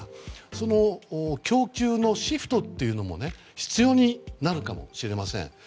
その供給のシフトというのも必要になるかもしれません。